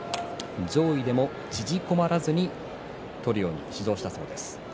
上位でも縮こまらずに相撲を取るように指導したそうです。